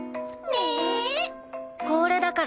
ねえ？